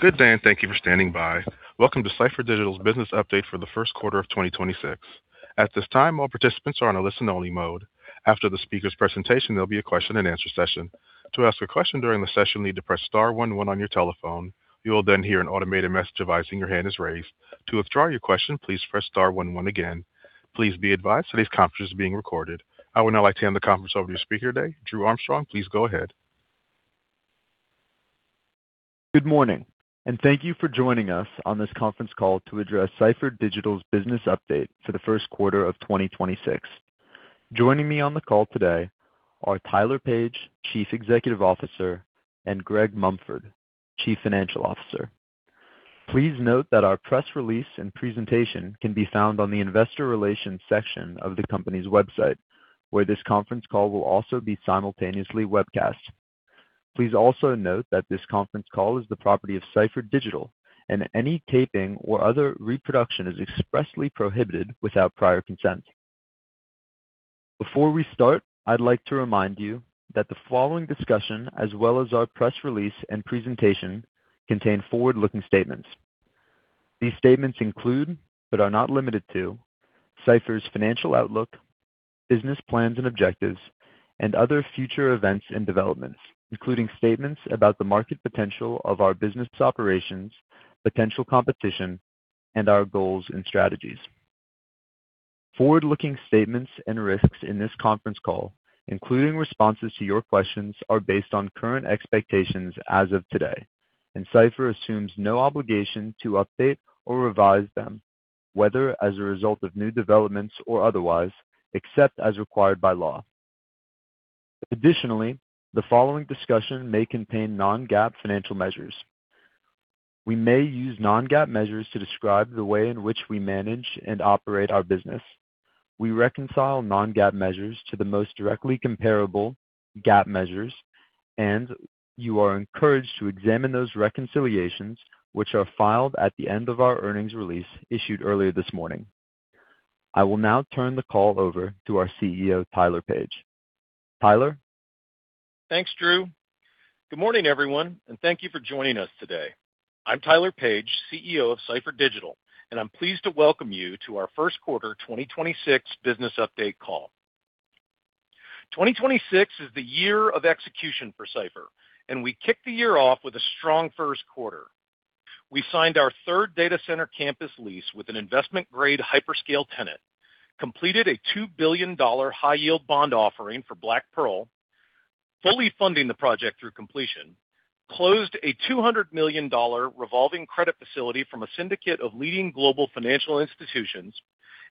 Good day. Thank you for standing by. Welcome to Cipher Digital's business update for the first quarter of 2026. At this time, all participants are on a listen-only mode. After the speaker's presentation, there'll be a question and answer session. To ask a question during the session, you'll need to press star one one on your telephone. You will hear an automated message advising your hand is raised. To withdraw your question, please press star one one again. Please be advised today's conference is being recorded. I would now like to hand the conference over to your speaker today, Drew Armstrong. Please go ahead. Good morning, and thank you for joining us on this conference call to address Cipher Digital's business update for the first quarter of 2026. Joining me on the call today are Tyler Page, Chief Executive Officer, and Greg Mumford, Chief Financial Officer. Please note that our press release and presentation can be found on the investor relations section of the company's website, where this conference call will also be simultaneously webcast. Please also note that this conference call is the property of Cipher Digital, and any taping or other reproduction is expressly prohibited without prior consent. Before we start, I'd like to remind you that the following discussion, as well as our press release and presentation, contain forward-looking statements. These statements include, but are not limited to, Cipher's financial outlook, business plans and objectives, and other future events and developments, including statements about the market potential of our business operations, potential competition, and our goals and strategies. Forward-looking statements and risks in this conference call, including responses to your questions, are based on current expectations as of today. Cipher assumes no obligation to update or revise them, whether as a result of new developments or otherwise, except as required by law. Additionally, the following discussion may contain non-GAAP financial measures. We may use non-GAAP measures to describe the way in which we manage and operate our business. We reconcile non-GAAP measures to the most directly comparable GAAP measures. You are encouraged to examine those reconciliations, which are filed at the end of our earnings release issued earlier this morning. I will now turn the call over to our CEO, Tyler Page. Tyler? Thanks, Drew. Good morning, everyone, and thank you for joining us today. I'm Tyler Page, CEO of Cipher Digital, and I'm pleased to welcome you to our first quarter 2026 business update call. 2026 is the year of execution for Cipher, and we kicked the year off with a strong first quarter. We signed our third data center campus lease with an investment-grade hyperscale tenant, completed a $2 billion high-yield bond offering for Black Pearl, fully funding the project through completion, closed a $200 million revolving credit facility from a syndicate of leading global financial institutions,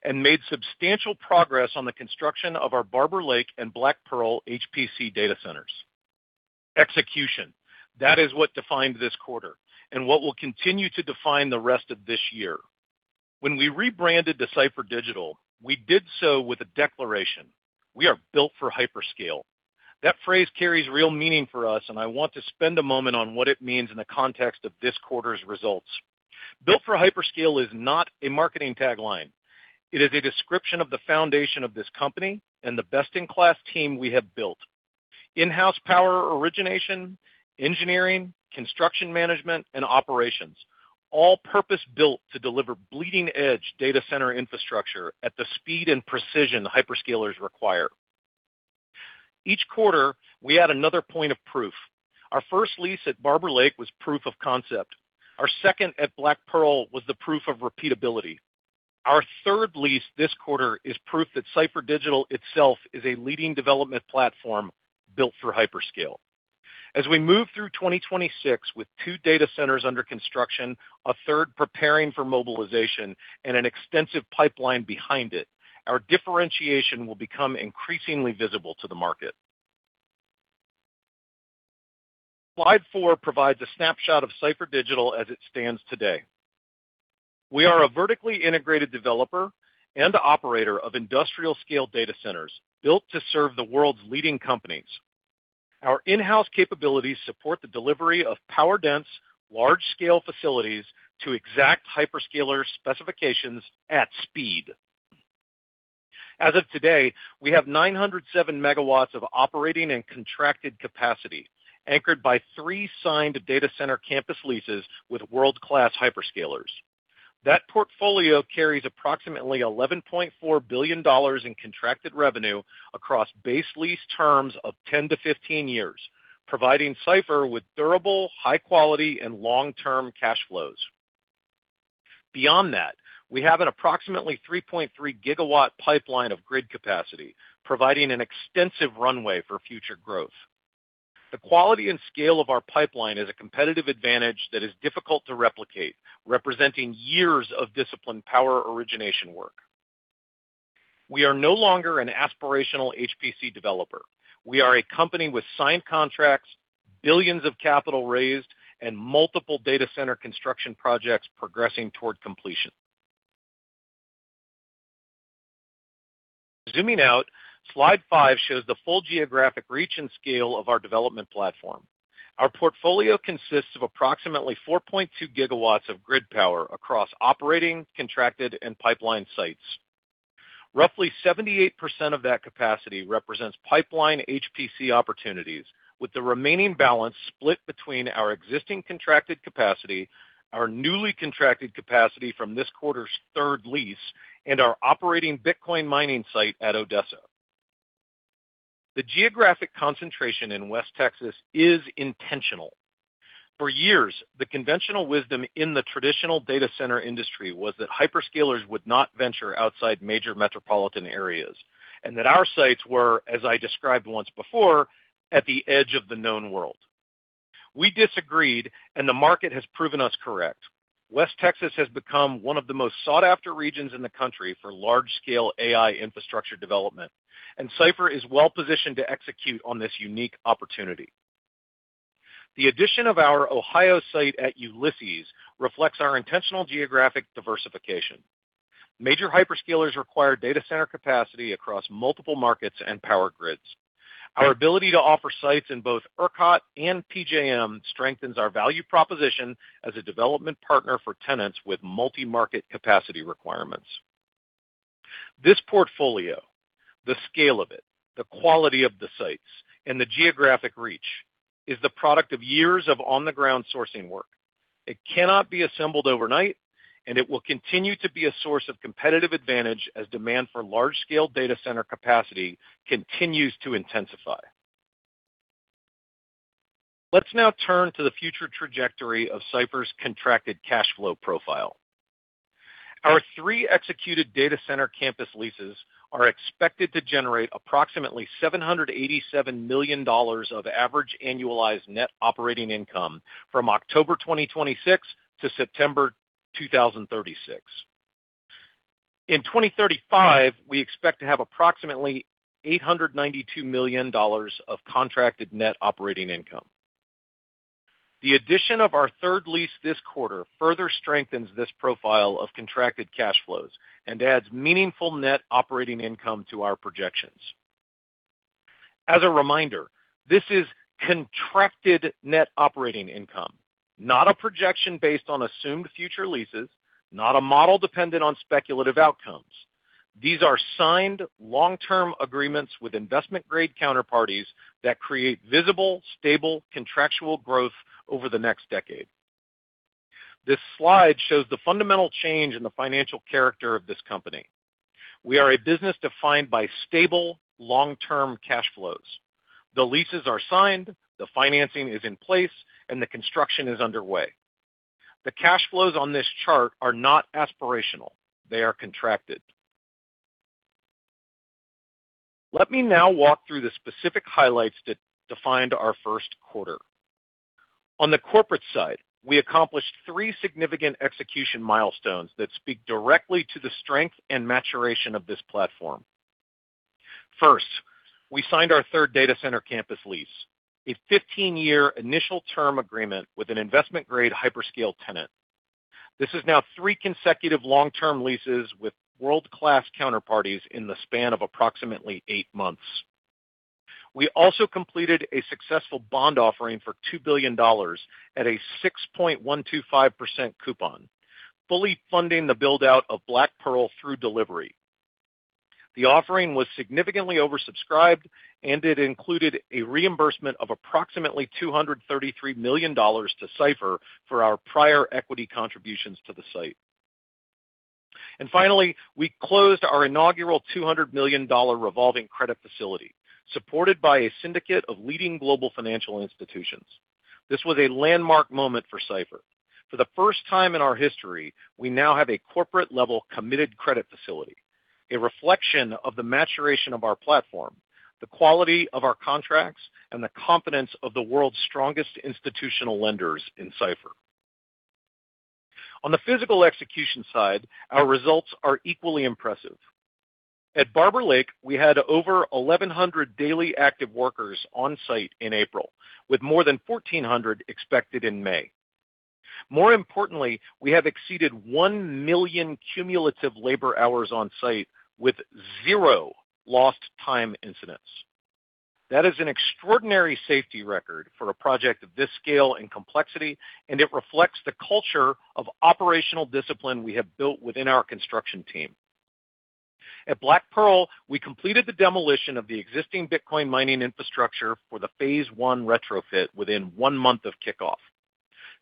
and made substantial progress on the construction of our Barber Lake and Black Pearl HPC data centers. Execution. That is what defined this quarter and what will continue to define the rest of this year. When we rebranded to Cipher Digital, we did so with a declaration. We are built for hyperscale. That phrase carries real meaning for us, and I want to spend a moment on what it means in the context of this quarter's results. Built for hyperscale is not a marketing tagline. It is a description of the foundation of this company and the best-in-class team we have built. In-house power origination, engineering, construction management, and operations, all purpose-built to deliver bleeding-edge data center infrastructure at the speed and precision hyperscalers require. Each quarter, we add another point of proof. Our first lease at Barber Lake was proof of concept. Our second at Black Pearl was the proof of repeatability. Our third lease this quarter is proof that Cipher Digital itself is a leading development platform built for hyperscale. As we move through 2026 with two data centers under construction, a third preparing for mobilization, and an extensive pipeline behind it, our differentiation will become increasingly visible to the market. Slide four provides a snapshot of Cipher Digital as it stands today. We are a vertically integrated developer and operator of industrial-scale data centers built to serve the world's leading companies. Our in-house capabilities support the delivery of power-dense, large-scale facilities to exact hyperscaler specifications at speed. As of today, we have 907 MW of operating and contracted capacity, anchored by three signed data center campus leases with world-class hyperscalers. That portfolio carries approximately $11.4 billion in contracted revenue across base lease terms of 10-15 years, providing Cipher with durable, high quality, and long-term cash flows. Beyond that, we have an approximately 3.3 GW pipeline of grid capacity, providing an extensive runway for future growth. The quality and scale of our pipeline is a competitive advantage that is difficult to replicate, representing years of disciplined power origination work. We are no longer an aspirational HPC developer. We are a company with signed contracts, billions of capital raised, and multiple data center construction projects progressing toward completion. Zooming out, slide five shows the full geographic reach and scale of our development platform. Our portfolio consists of approximately 4.2 GW of grid power across operating, contracted, and pipeline sites. Roughly 78% of that capacity represents pipeline HPC opportunities, with the remaining balance split between our existing contracted capacity, our newly contracted capacity from this quarter's third lease, and our operating Bitcoin mining site at Odessa. The geographic concentration in West Texas is intentional. For years, the conventional wisdom in the traditional data center industry was that hyperscalers would not venture outside major metropolitan areas, and that our sites were, as I described once before, at the edge of the known world. We disagreed, and the market has proven us correct. West Texas has become one of the most sought-after regions in the country for large-scale AI infrastructure development. Cipher is well-positioned to execute on this unique opportunity. The addition of our Ohio site at Ulysses reflects our intentional geographic diversification. Major hyperscalers require data center capacity across multiple markets and power grids. Our ability to offer sites in both ERCOT and PJM strengthens our value proposition as a development partner for tenants with multi-market capacity requirements. This portfolio, the scale of it, the quality of the sites, and the geographic reach is the product of years of on-the-ground sourcing work. It cannot be assembled overnight, and it will continue to be a source of competitive advantage as demand for large-scale data center capacity continues to intensify. Let's now turn to the future trajectory of Cipher's contracted cash flow profile. Our three executed data center campus leases are expected to generate approximately $787 million of average annualized net operating income from October 2026 to September 2036. In 2035, we expect to have approximately $892 million of contracted net operating income. The addition of our third lease this quarter further strengthens this profile of contracted cash flows and adds meaningful net operating income to our projections. As a reminder, this is contracted net operating income, not a projection based on assumed future leases, not a model dependent on speculative outcomes. These are signed long-term agreements with investment-grade counterparties that create visible, stable contractual growth over the next decade. This slide shows the fundamental change in the financial character of this company. We are a business defined by stable, long-term cash flows. The leases are signed, the financing is in place, and the construction is underway. The cash flows on this chart are not aspirational. They are contracted. Let me now walk through the specific highlights that defined our first quarter. On the corporate side, we accomplished three significant execution milestones that speak directly to the strength and maturation of this platform. First, we signed our third data center campus lease, a 15-year initial term agreement with an investment-grade hyperscale tenant. This is now three consecutive long-term leases with world-class counterparties in the span of approximately eight months. We also completed a successful bond offering for $2 billion at a 6.125% coupon, fully funding the build-out of Black Pearl through delivery. The offering was significantly oversubscribed. It included a reimbursement of approximately $233 million to Cipher for our prior equity contributions to the site. Finally, we closed our inaugural $200 million revolving credit facility, supported by a syndicate of leading global financial institutions. This was a landmark moment for Cipher. For the first time in our history, we now have a corporate-level committed credit facility, a reflection of the maturation of our platform, the quality of our contracts, and the confidence of the world's strongest institutional lenders in Cipher. On the physical execution side, our results are equally impressive. At Barber Lake, we had over 1,100 daily active workers on site in April, with more than 1,400 expected in May. More importantly, we have exceeded 1 million cumulative labor hours on site with zero lost time incidents. That is an extraordinary safety record for a project of this scale and complexity, and it reflects the culture of operational discipline we have built within our construction team. At Black Pearl, we completed the demolition of the existing Bitcoin mining infrastructure for the phase I retrofit within one month of kickoff.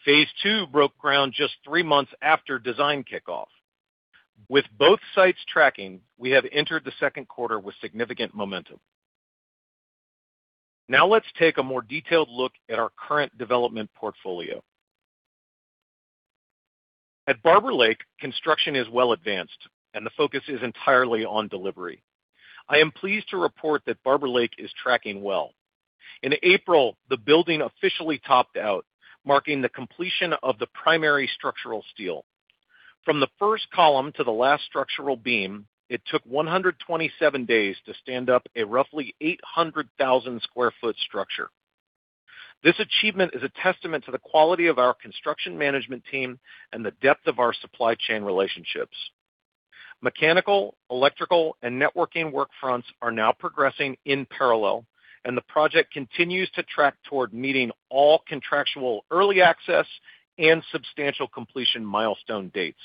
phase II broke ground just three months after design kickoff. With both sites tracking, we have entered the second quarter with significant momentum. Now let's take a more detailed look at our current development portfolio. At Barber Lake, construction is well advanced, and the focus is entirely on delivery. I am pleased to report that Barber Lake is tracking well. In April, the building officially topped out, marking the completion of the primary structural steel. From the first column to the last structural beam, it took 127 days to stand up a roughly 800,000 sq ft structure. This achievement is a testament to the quality of our construction management team and the depth of our supply chain relationships. Mechanical, electrical, and networking workfronts are now progressing in parallel, and the project continues to track toward meeting all contractual early access and substantial completion milestone dates.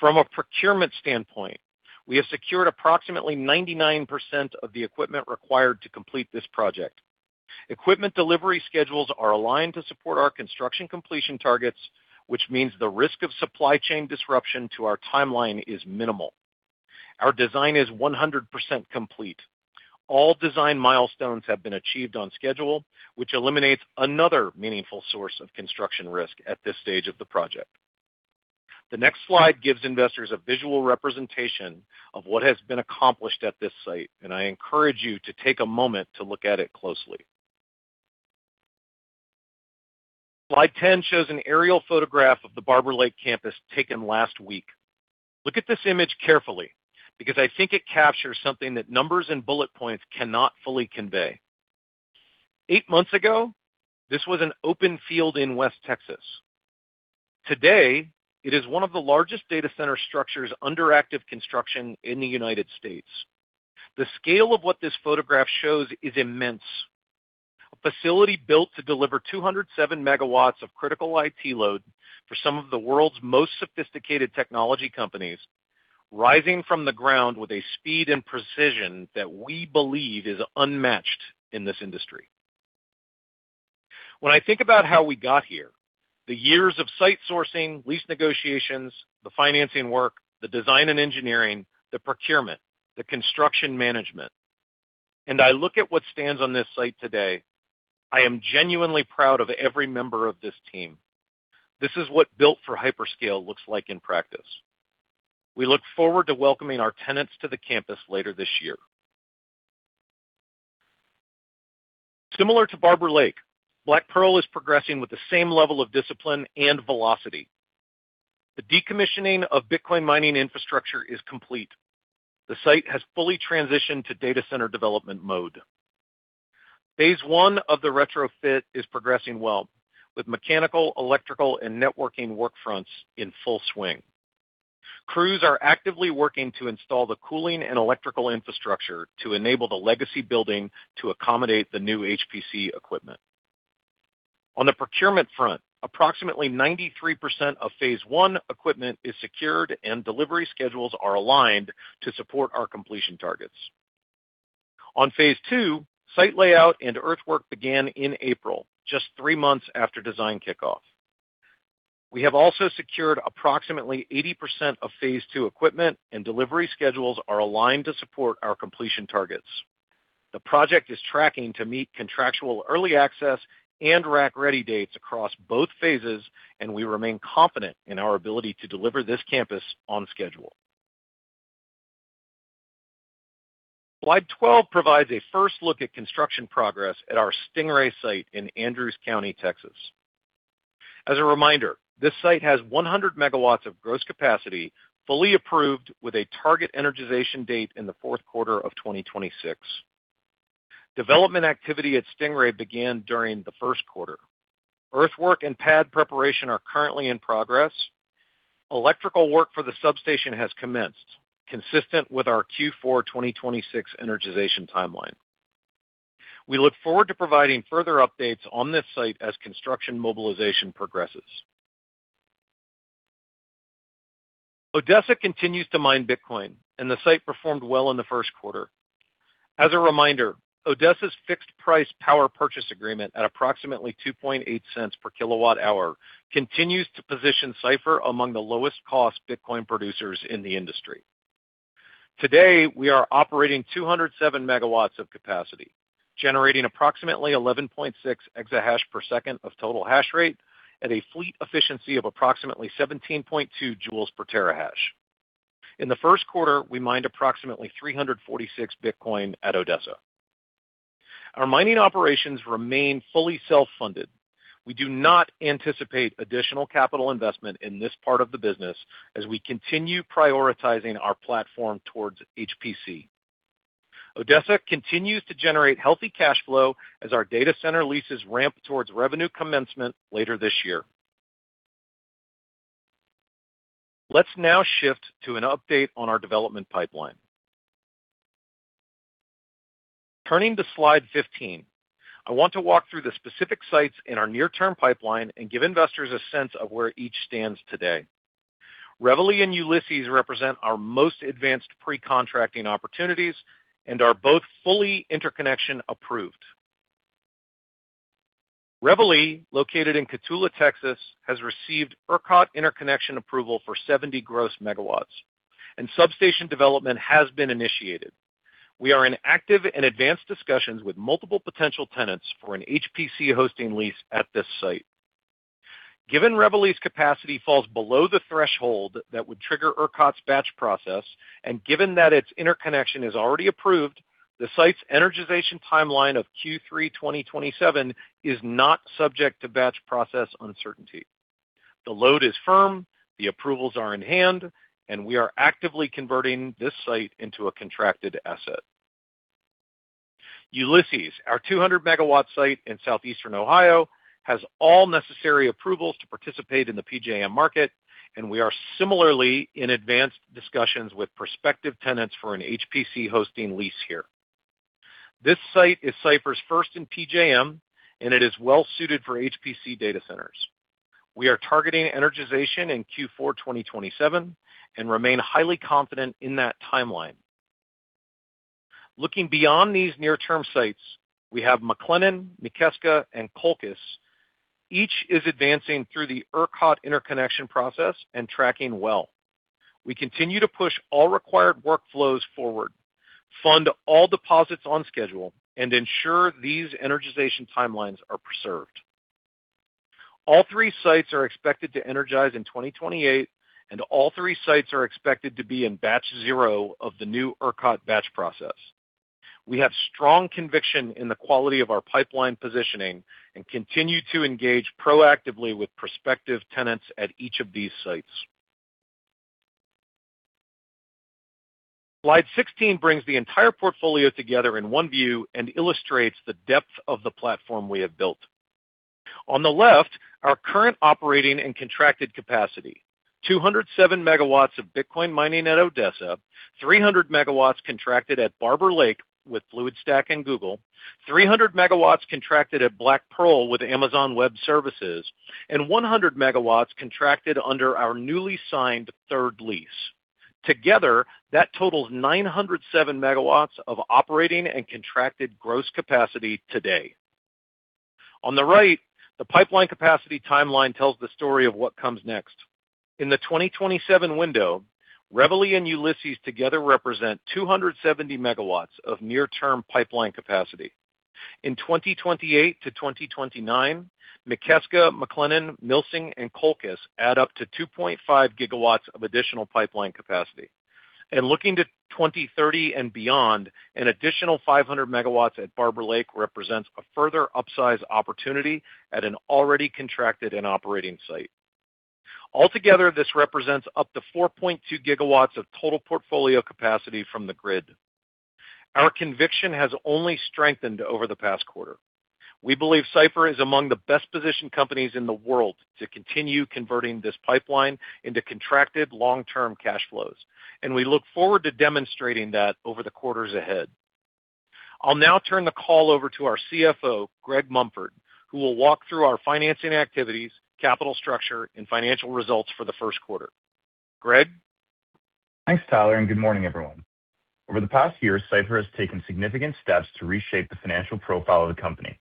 From a procurement standpoint, we have secured approximately 99% of the equipment required to complete this project. Equipment delivery schedules are aligned to support our construction completion targets, which means the risk of supply chain disruption to our timeline is minimal. Our design is 100% complete. All design milestones have been achieved on schedule, which eliminates another meaningful source of construction risk at this stage of the project. The next slide gives investors a visual representation of what has been accomplished at this site, and I encourage you to take a moment to look at it closely. Slide 10 shows an aerial photograph of the Barber Lake campus taken last week. Look at this image carefully because I think it captures something that numbers and bullet points cannot fully convey. Eight months ago, this was an open field in West Texas. Today, it is one of the largest data center structures under active construction in the U.S. The scale of what this photograph shows is immense. A facility built to deliver 207 MW of critical IT load for some of the world's most sophisticated technology companies, rising from the ground with a speed and precision that we believe is unmatched in this industry. When I think about how we got here, the years of site sourcing, lease negotiations, the financing work, the design and engineering, the procurement, the construction management, and I look at what stands on this site today, I am genuinely proud of every member of this team. This is what built for hyperscale looks like in practice. We look forward to welcoming our tenants to the campus later this year. Similar to Barber Lake, Black Pearl is progressing with the same level of discipline and velocity. The decommissioning of Bitcoin mining infrastructure is complete. The site has fully transitioned to data center development mode. Phase I of the retrofit is progressing well, with mechanical, electrical, and networking work fronts in full swing. Crews are actively working to install the cooling and electrical infrastructure to enable the legacy building to accommodate the new HPC equipment. On the procurement front, approximately 93% of phase I equipment is secured and delivery schedules are aligned to support our completion targets. On phase II, site layout and earthwork began in April, just three months after design kickoff. We have also secured approximately 80% of phase II equipment and delivery schedules are aligned to support our completion targets. The project is tracking to meet contractual early access and rack-ready dates across both phases, and we remain confident in our ability to deliver this campus on schedule. Slide 12 provides a first look at construction progress at our Stingray site in Andrews County, Texas. As a reminder, this site has 100 MW of gross capacity, fully approved with a target energization date in the fourth quarter 2026. Development activity at Stingray began during the first quarter. Earthwork and pad preparation are currently in progress. Electrical work for the substation has commenced, consistent with our Q4 2026 energization timeline. We look forward to providing further updates on this site as construction mobilization progresses. Odessa continues to mine Bitcoin, and the site performed well in the first quarter. As a reminder, Odessa's fixed price power purchase agreement at approximately $0.028 per kWh continues to position Cipher among the lowest cost Bitcoin producers in the industry. Today, we are operating 207 MW of capacity, generating approximately 11.6 exahash per second of total hash rate at a fleet efficiency of approximately 17.2 joules per terahash. In the first quarter, we mined approximately 346 Bitcoin at Odessa. Our mining operations remain fully self-funded. We do not anticipate additional capital investment in this part of the business as we continue prioritizing our platform towards HPC. Odessa continues to generate healthy cash flow as our data center leases ramp towards revenue commencement later this year. Let's now shift to an update on our development pipeline. Turning to slide 15, I want to walk through the specific sites in our near-term pipeline and give investors a sense of where each stands today. Reveille and Ulysses represent our most advanced pre-contracting opportunities and are both fully interconnection approved. Reveille, located in Cotulla, Texas, has received ERCOT interconnection approval for 70 MW gross, and substation development has been initiated. We are in active and advanced discussions with multiple potential tenants for an HPC hosting lease at this site. Given Reveille's capacity falls below the threshold that would trigger ERCOT's batch process, and given that its interconnection is already approved, the site's energization timeline of Q3 2027 is not subject to batch process uncertainty. The load is firm, the approvals are in hand, and we are actively converting this site into a contracted asset. Ulysses, our 200 MW site in southeastern Ohio, has all necessary approvals to participate in the PJM market, and we are similarly in advanced discussions with prospective tenants for an HPC hosting lease here. This site is Cipher's first in PJM, and it is well suited for HPC data centers. We are targeting energization in Q4 2027 and remain highly confident in that timeline. Looking beyond these near-term sites, we have McLennan, Mikeska, and Colchis. Each is advancing through the ERCOT interconnection process and tracking well. We continue to push all required workflows forward, fund all deposits on schedule, and ensure these energization timelines are preserved. All three sites are expected to energize in 2028, and all three sites are expected to be in batch zero of the new ERCOT batch process. We have strong conviction in the quality of our pipeline positioning and continue to engage proactively with prospective tenants at each of these sites. Slide 16 brings the entire portfolio together in one view and illustrates the depth of the platform we have built. On the left, our current operating and contracted capacity, 207 MW of Bitcoin mining at Odessa, 300 MW contracted at Barber Lake with Fluidstack and Google, 300 MW contracted at Black Pearl with Amazon Web Services, and 100 MW contracted under our newly signed third lease. Together, that totals 907 MW of operating and contracted gross capacity today. On the right, the pipeline capacity timeline tells the story of what comes next. In the 2027 window, Reveille and Ulysses together represent 270 MW of near-term pipeline capacity. In 2028-2029, Mikeska, McLennan, Milsing, and Colchis add up to 2.5 GW of additional pipeline capacity. Looking to 2030 and beyond, an additional 500 MW at Barber Lake represents a further upsize opportunity at an already contracted and operating site. Altogether, this represents up to 4.2 GW of total portfolio capacity from the grid. Our conviction has only strengthened over the past quarter. We believe Cipher is among the best-positioned companies in the world to continue converting this pipeline into contracted long-term cash flows, and we look forward to demonstrating that over the quarters ahead. I'll now turn the call over to our CFO, Greg Mumford, who will walk through our financing activities, capital structure, and financial results for the first quarter. Greg? Thanks, Tyler, and good morning, everyone. Over the past year, Cipher has taken significant steps to reshape the financial profile of the company,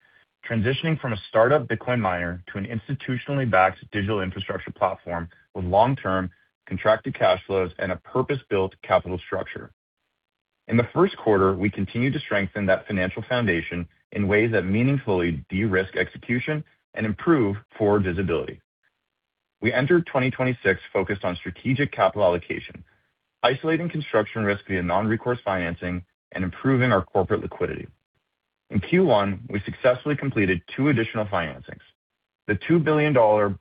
transitioning from a startup Bitcoin miner to an institutionally backed digital infrastructure platform with long-term contracted cash flows and a purpose-built capital structure. In the first quarter, we continued to strengthen that financial foundation in ways that meaningfully de-risk execution and improve forward visibility. We entered 2026 focused on strategic capital allocation, isolating construction risk via non-recourse financing and improving our corporate liquidity. In Q1, we successfully completed two additional financings, the $2 billion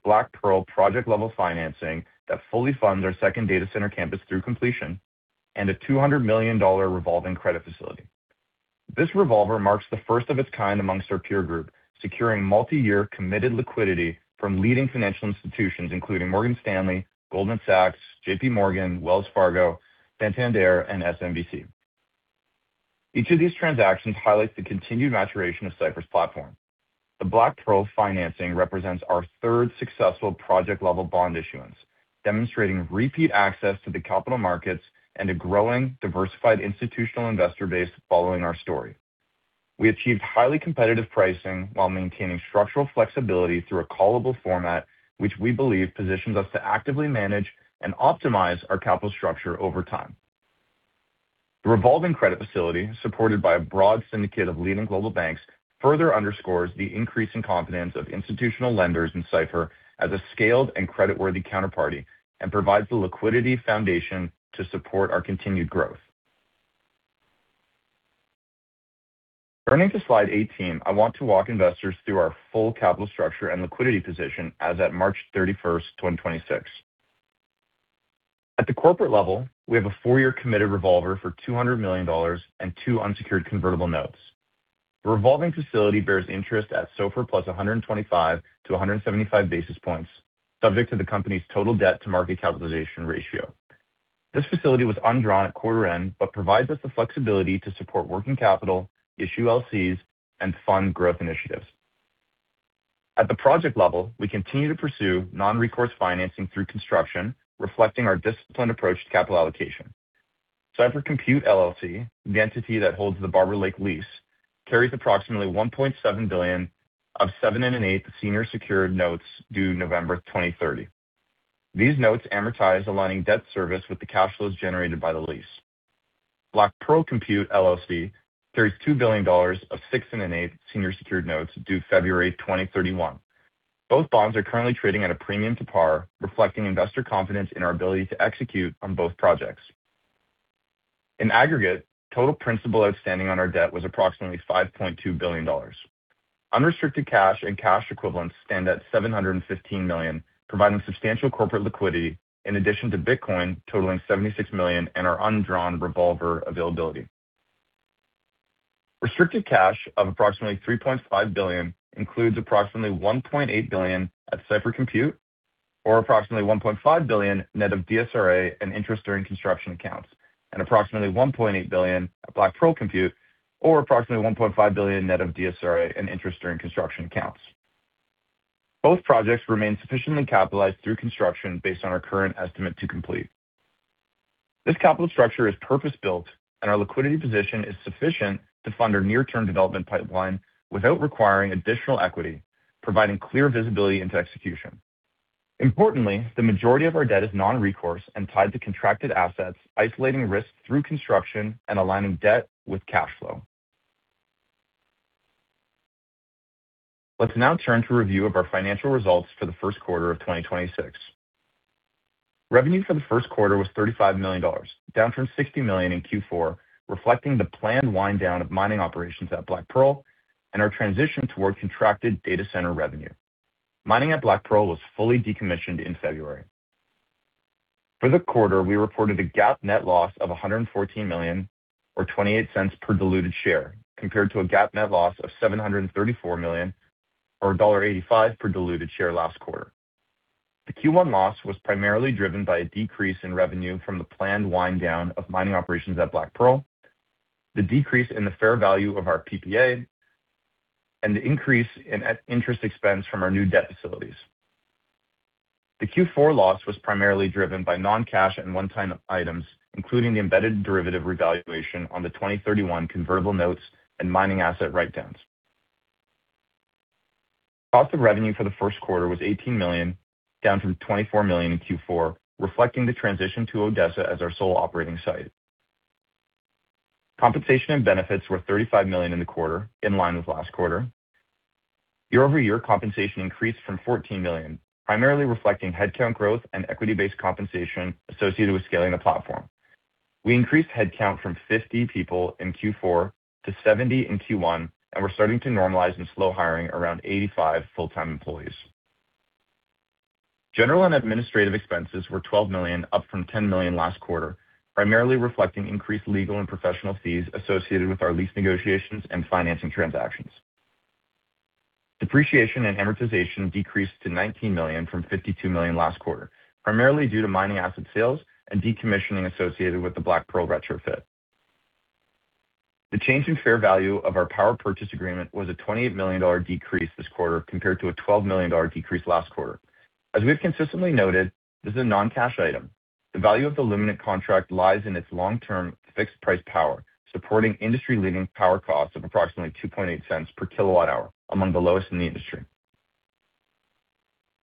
Black Pearl project-level financing that fully funds our second data center campus through completion and a $200 million revolving credit facility. This revolver marks the first of its kind amongst our peer group, securing multi-year committed liquidity from leading financial institutions, including Morgan Stanley, Goldman Sachs, JPMorgan, Wells Fargo, Santander, and SMBC. Each of these transactions highlights the continued maturation of Cipher's platform. The Black Pearl financing represents our third successful project-level bond issuance, demonstrating repeat access to the capital markets and a growing, diversified institutional investor base following our story. We achieved highly competitive pricing while maintaining structural flexibility through a callable format, which we believe positions us to actively manage and optimize our capital structure over time. The revolving credit facility, supported by a broad syndicate of leading global banks, further underscores the increasing confidence of institutional lenders in Cipher as a scaled and creditworthy counterparty and provides the liquidity foundation to support our continued growth. Turning to slide 18, I want to walk investors through our full capital structure and liquidity position as at March 31st, 2026. At the corporate level, we have a four-year committed revolver for $200 million and two unsecured convertible notes. The revolving facility bears interest at SOFR plus 125 to 175 basis points, subject to the company's total debt to market capitalization ratio. This facility was undrawn at quarter end but provides us the flexibility to support working capital, issue LCs, and fund growth initiatives. At the project level, we continue to pursue non-recourse financing through construction, reflecting our disciplined approach to capital allocation. Cipher Compute LLC, the entity that holds the Barber Lake lease, carries approximately $1.7 billion of seven and an eighth senior secured notes due November 2030. These notes amortize aligning debt service with the cash flows generated by the lease. Black Pearl Compute LLC carries $2 billion of six and an eighth senior secured notes due February 2031. Both bonds are currently trading at a premium to par, reflecting investor confidence in our ability to execute on both projects. In aggregate, total principal outstanding on our debt was approximately $5.2 billion. Unrestricted cash and cash equivalents stand at $715 million, providing substantial corporate liquidity in addition to Bitcoin totaling $76 million and our undrawn revolver availability. Restricted cash of approximately $3.5 billion includes approximately $1.8 billion at Cipher Compute, or approximately $1.5 billion net of DSRA and interest during construction accounts, and approximately $1.8 billion at Black Pearl Compute, or approximately $1.5 billion net of DSRA and interest during construction accounts. Both projects remain sufficiently capitalized through construction based on our current estimate to complete. This capital structure is purpose-built, and our liquidity position is sufficient to fund our near-term development pipeline without requiring additional equity, providing clear visibility into execution. Importantly, the majority of our debt is non-recourse and tied to contracted assets, isolating risks through construction and aligning debt with cash flow. Let's now turn to a review of our financial results for the first quarter of 2026. Revenue for the first quarter was $35 million, down from $60 million in Q4, reflecting the planned wind down of mining operations at Black Pearl and our transition toward contracted data center revenue. Mining at Black Pearl was fully decommissioned in February. For the quarter, we reported a GAAP net loss of $114 million, or $0.28 per diluted share, compared to a GAAP net loss of $734 million, or $1.85 per diluted share last quarter. The Q1 loss was primarily driven by a decrease in revenue from the planned wind down of mining operations at Black Pearl, the decrease in the fair value of our PPA, and the increase in interest expense from our new debt facilities. The Q4 loss was primarily driven by non-cash and one-time items, including the embedded derivative revaluation on the 2031 convertible notes and mining asset write-downs. Cost of revenue for the first quarter was $18 million, down from $24 million in Q4, reflecting the transition to Odessa as our sole operating site. Compensation and benefits were $35 million in the quarter, in line with last quarter. Year-over-year compensation increased from $14 million, primarily reflecting headcount growth and equity-based compensation associated with scaling the platform. We increased headcount from 50 people in Q4 to 70 in Q1, and we're starting to normalize and slow hiring around 85 full-time employees. General and administrative expenses were $12 million, up from $10 million last quarter, primarily reflecting increased legal and professional fees associated with our lease negotiations and financing transactions. Depreciation and amortization decreased to $19 million from $52 million last quarter, primarily due to mining asset sales and decommissioning associated with the Black Pearl retrofit. The change in fair value of our power purchase agreement was a $28 million decrease this quarter compared to a $12 million decrease last quarter. As we've consistently noted, this is a non-cash item. The value of the Luminant contract lies in its long-term fixed price power, supporting industry-leading power costs of approximately $0.028 per kWh, among the lowest in the industry.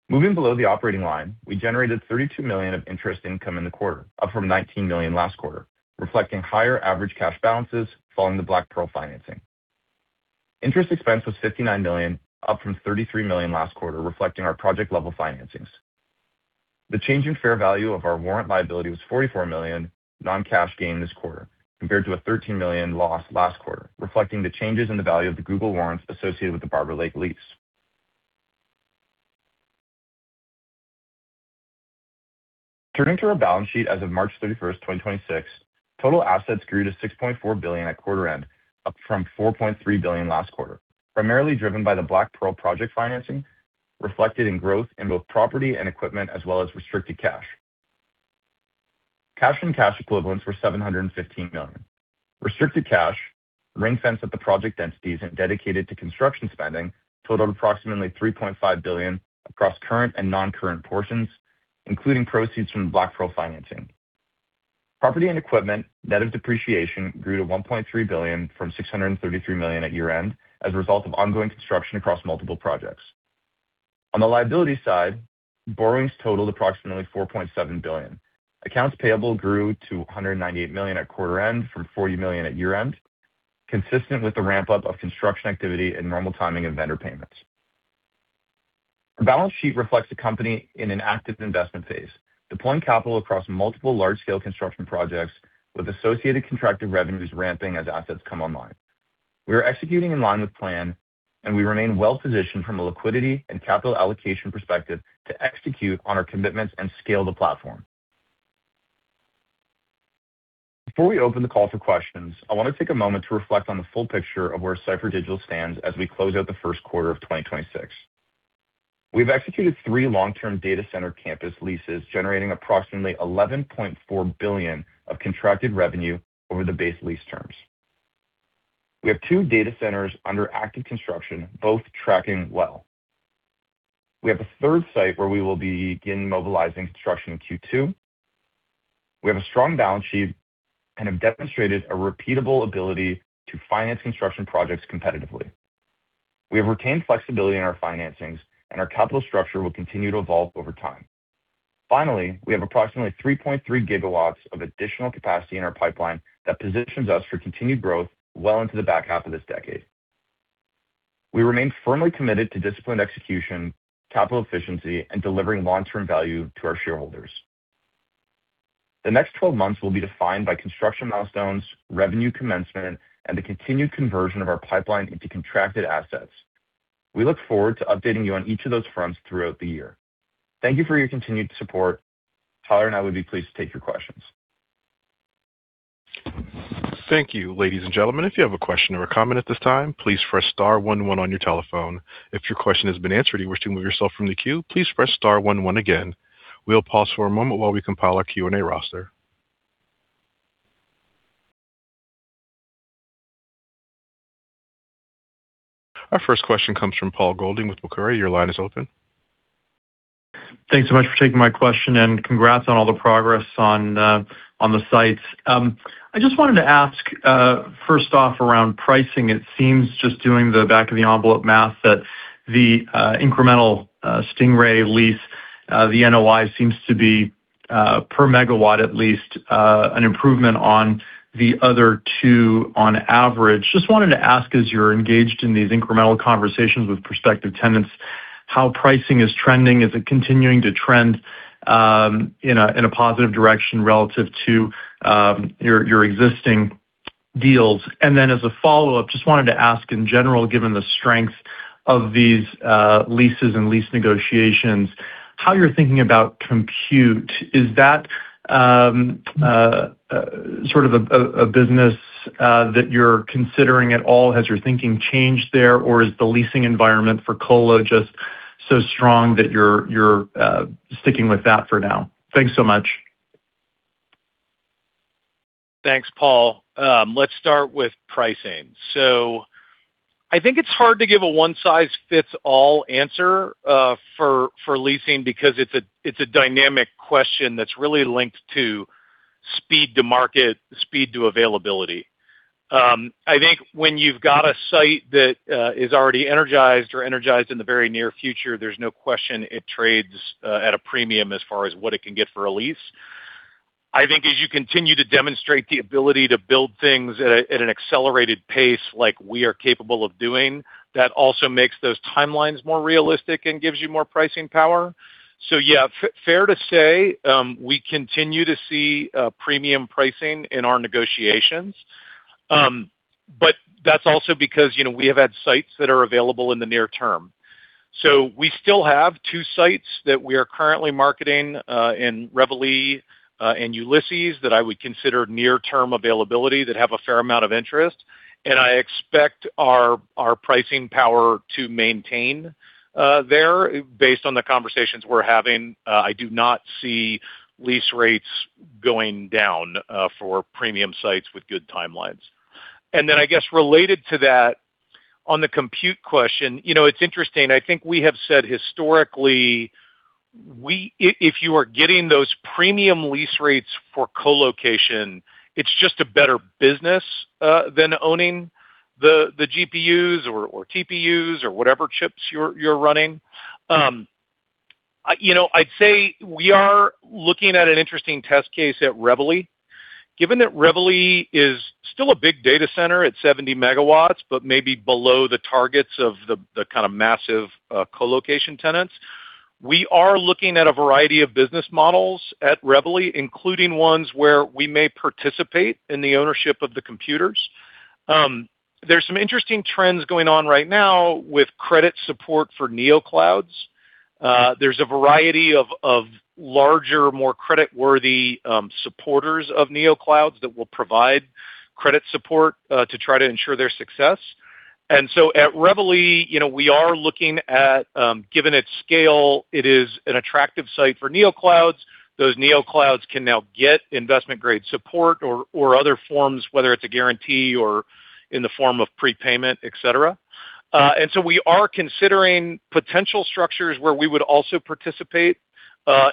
Moving below the operating line, we generated $32 million of interest income in the quarter, up from $19 million last quarter, reflecting higher average cash balances following the Black Pearl financing. Interest expense was $59 million, up from $33 million last quarter, reflecting our project level financings. The change in fair value of our warrant liability was $44 million non-cash gain this quarter, compared to a $13 million loss last quarter, reflecting the changes in the value of the Google warrants associated with the Barber Lake lease. Turning to our balance sheet as of March 31st, 2026, total assets grew to $6.4 billion at quarter end, up from $4.3 billion last quarter, primarily driven by the Black Pearl project financing, reflected in growth in both property and equipment, as well as restricted cash. Cash and cash equivalents were $715 million. Restricted cash, ring-fenced at the project entities and dedicated to construction spending totaled approximately $3.5 billion across current and non-current portions, including proceeds from the Black Pearl financing. Property and equipment, net of depreciation, grew to $1.3 billion from $633 million at year-end as a result of ongoing construction across multiple projects. On the liability side, borrowings totaled approximately $4.7 billion. Accounts payable grew to $198 million at quarter end from $40 million at year-end, consistent with the ramp-up of construction activity and normal timing of vendor payments. Our balance sheet reflects the company in an active investment phase, deploying capital across multiple large-scale construction projects with associated contracted revenues ramping as assets come online. We are executing in line with plan, and we remain well-positioned from a liquidity and capital allocation perspective to execute on our commitments and scale the platform. Before we open the call for questions, I want to take a moment to reflect on the full picture of where Cipher Digital stands as we close out the first quarter of 2026. We've executed three long-term data center campus leases, generating approximately $11.4 billion of contracted revenue over the base lease terms. We have two data centers under active construction, both tracking well. We have a third site where we will begin mobilizing construction in Q2. We have a strong balance sheet and have demonstrated a repeatable ability to finance construction projects competitively. We have retained flexibility in our financings, and our capital structure will continue to evolve over time. Finally, we have approximately 3.3 GW of additional capacity in our pipeline that positions us for continued growth well into the back half of this decade. We remain firmly committed to disciplined execution, capital efficiency, and delivering long-term value to our shareholders. The next 12 months will be defined by construction milestones, revenue commencement, and the continued conversion of our pipeline into contracted assets. We look forward to updating you on each of those fronts throughout the year. Thank you for your continued support. Tyler and I would be pleased to take your questions. Thank you. Ladies and gentlemen, if you have a question or a comment at this time, please press star one one on your telephone. If your question has been answered and you wish to remove yourself from the queue, please press star one one again. We'll pause for a moment while we compile our Q&A roster. Our first question comes from Paul Golding with Macquarie. Your line is open. Thanks so much for taking my question. Congrats on all the progress on the sites. I just wanted to ask first off around pricing. It seems just doing the back of the envelope math that the incremental Stingray lease, the NOI seems to be per megawatt at least, an improvement on the other two on average. Just wanted to ask, as you're engaged in these incremental conversations with prospective tenants, how pricing is trending. Is it continuing to trend in a positive direction relative to your existing deals? As a follow-up, just wanted to ask, in general, given the strength of these leases and lease negotiations, how you're thinking about compute. Is that sort of a business that you're considering at all? Has your thinking changed there, or is the leasing environment for colo just so strong that you're sticking with that for now? Thanks so much. Thanks, Paul. Let's start with pricing. I think it's hard to give a one-size-fits-all answer for leasing because it's a dynamic question that's really linked to speed to market, speed to availability. I think when you've got a site that is already energized or energized in the very near future, there's no question it trades at a premium as far as what it can get for a lease. I think as you continue to demonstrate the ability to build things at an accelerated pace like we are capable of doing, that also makes those timelines more realistic and gives you more pricing power. Yeah, fair to say, we continue to see premium pricing in our negotiations. That's also because, you know, we have had sites that are available in the near term. We still have two sites that we are currently marketing in Reveille and Ulysses that I would consider near-term availability that have a fair amount of interest, and I expect our pricing power to maintain there based on the conversations we're having. I do not see lease rates going down for premium sites with good timelines. I guess related to that, on the compute question, you know, it's interesting. I think we have said historically, if you are getting those premium lease rates for colocation, it's just a better business than owning the GPUs or TPUs or whatever chips you're running. You know, I'd say we are looking at an interesting test case at Reveille. Given that Reveille is still a big data center at 70 MW, but maybe below the targets of the kind of massive colocation tenants, we are looking at a variety of business models at Reveille, including ones where we may participate in the ownership of the computers. There's some interesting trends going on right now with credit support for neo clouds. There's a variety of larger, more creditworthy supporters of neo clouds that will provide credit support to try to ensure their success. So at Reveille, you know, we are looking at, given its scale, it is an attractive site for neo clouds. Those neo clouds can now get investment-grade support or other forms, whether it's a guarantee or in the form of prepayment, et cetera. We are considering potential structures where we would also participate,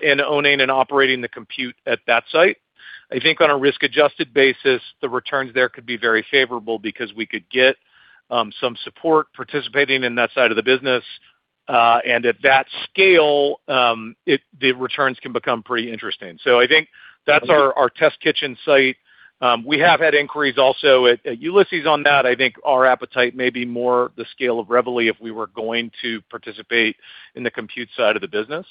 in owning and operating the compute at that site. I think on a risk-adjusted basis, the returns there could be very favorable because we could get some support participating in that side of the business. At that scale, the returns can become pretty interesting. I think that's our test kitchen site. We have had inquiries also at Ulysses on that. I think our appetite may be more the scale of Reveille if we were going to participate in the compute side of the business.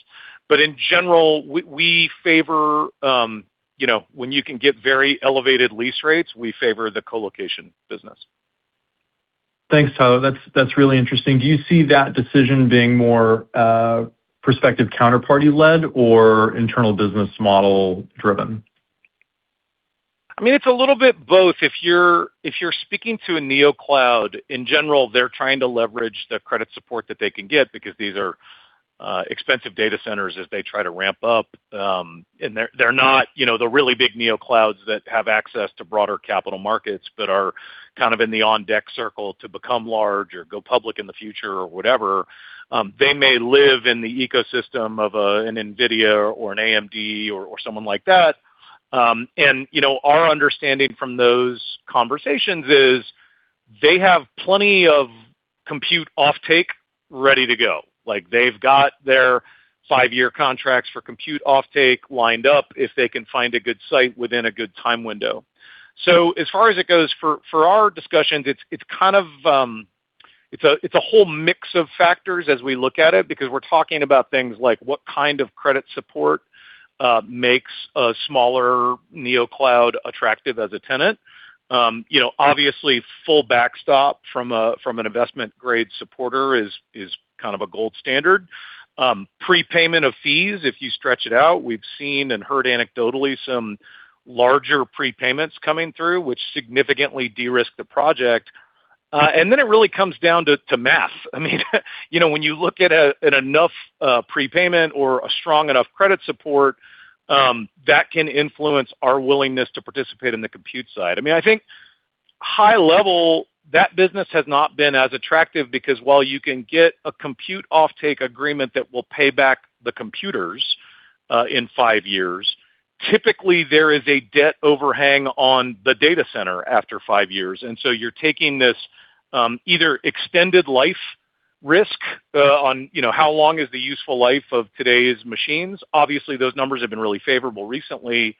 In general, we favor, you know, when you can get very elevated lease rates, we favor the colocation business. Thanks, Tyler. That's really interesting. Do you see that decision being more prospective counterparty-led or internal business model driven? I mean, it's a little bit both. If you're speaking to a neo cloud, in general, they're trying to leverage the credit support that they can get because these are expensive data centers as they try to ramp up. They're not, you know, the really big neo clouds that have access to broader capital markets, but are kind of in the on-deck circle to become large or go public in the future or whatever. They may live in the ecosystem of an NVIDIA or an AMD or someone like that. You know, our understanding from those conversations is they have plenty of compute offtake ready to go. Like, they've got their five-year contracts for compute offtake lined up if they can find a good site within a good time window. As far as it goes for our discussions, it's kind of, it's a whole mix of factors as we look at it because we're talking about things like what kind of credit support makes a smaller neo cloud attractive as a tenant. You know, obviously, full backstop from an investment-grade supporter is kind of a gold standard. Prepayment of fees, if you stretch it out, we've seen and heard anecdotally some larger prepayments coming through, which significantly de-risk the project. It really comes down to math. I mean, you know, when you look at enough prepayment or a strong enough credit support, that can influence our willingness to participate in the compute side. I mean, I think high level, that business has not been as attractive because while you can get a compute offtake agreement that will pay back the computers in five years, typically there is a debt overhang on the data center after five years. You're taking this either extended life risk on, you know, how long is the useful life of today's machines. Obviously, those numbers have been really favorable recently,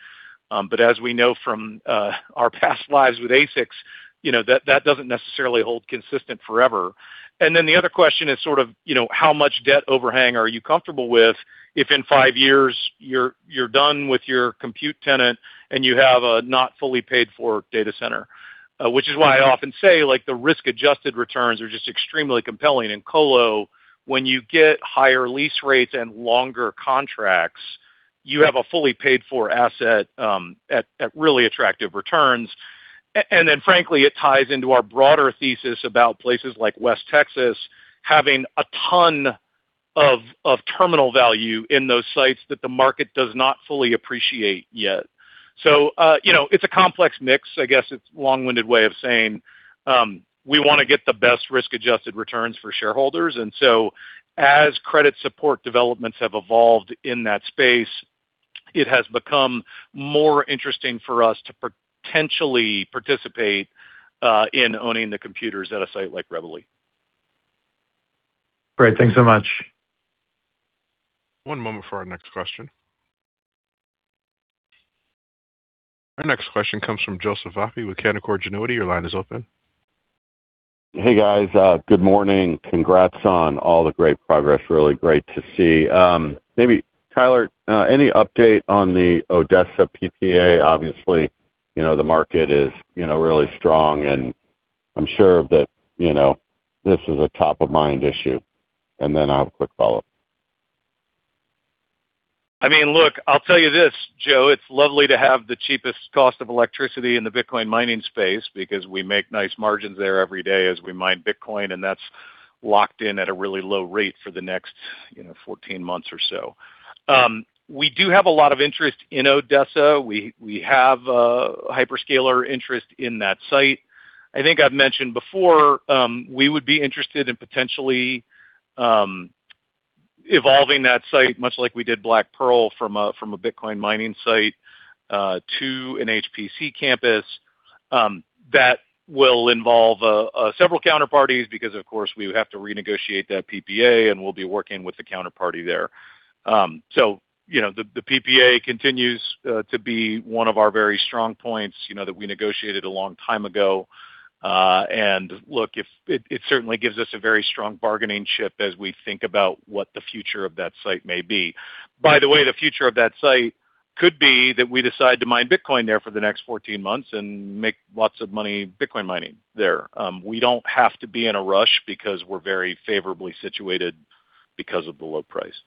but as we know from our past lives with ASICs, you know, that doesn't necessarily hold consistent forever. The other question is sort of, you know, how much debt overhang are you comfortable with if in five years you're done with your compute tenant and you have a not fully paid for data center? Which is why I often say, like the risk-adjusted returns are just extremely compelling in colo when you get higher lease rates and longer contracts, you have a fully paid for asset, at really attractive returns. Frankly, it ties into our broader thesis about places like West Texas having a ton of terminal value in those sites that the market does not fully appreciate yet. You know, it's a complex mix. I guess it's long-winded way of saying, we wanna get the best risk-adjusted returns for shareholders. As credit support developments have evolved in that space, it has become more interesting for us to potentially participate, in owning the computers at a site like Reveille. Great. Thanks so much. One moment for our next question. Our next question comes from Joseph Vafi with Canaccord Genuity. Your line is open. Hey, guys. Good morning. Congrats on all the great progress. Really great to see. Maybe Tyler, any update on the Odessa PPA? Obviously, you know, the market is, you know, really strong, and I'm sure that, you know, this is a top of mind issue. I'll quick follow-up. I mean, look, I'll tell you this, Joe. It's lovely to have the cheapest cost of electricity in the Bitcoin mining space because we make nice margins there every day as we mine Bitcoin, and that's locked in at a really low rate for the next, you know, 14 months or so. We do have a lot of interest in Odessa. We have a hyperscaler interest in that site. I think I've mentioned before, we would be interested in potentially evolving that site, much like we did Black Pearl from a Bitcoin mining site to an HPC campus. That will involve several counterparties because of course, we would have to renegotiate that PPA, and we'll be working with the counterparty there. You know, the PPA continues to be one of our very strong points, you know, that we negotiated a long time ago. Look, it certainly gives us a very strong bargaining chip as we think about what the future of that site may be. By the way, the future of that site could be that we decide to mine Bitcoin there for the next 14 months and make lots of money Bitcoin mining there. We don't have to be in a rush because we're very favorably situated because of the low price.